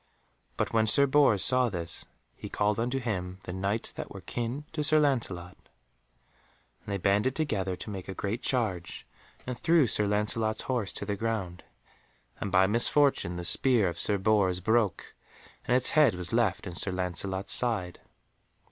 But when Sir Bors saw this, he called unto him the Knights that were of kin to Sir Lancelot, and they banded together to make a great charge, and threw Sir Lancelot's horse to the ground, and by misfortune the spear of Sir Bors broke, and its head was left in Sir Lancelot's side.